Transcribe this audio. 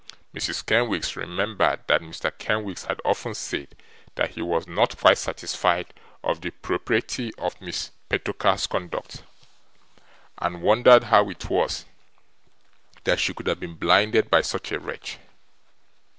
Mrs. Kenwigs remembered that Mr. Kenwigs had often said that he was not quite satisfied of the propriety of Miss Petowker's conduct, and wondered how it was that she could have been blinded by such a wretch.